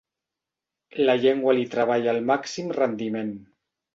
La llengua li treballa al màxim rendiment.